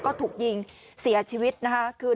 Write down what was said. กลุ่มหนึ่งก็คือ